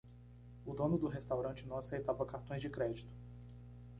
O dono do restaurante não aceitava cartões de crédito.